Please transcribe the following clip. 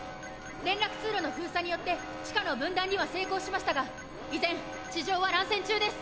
連絡通路の封鎖によって地下の分断には成功しましたが依然地上は乱戦中です。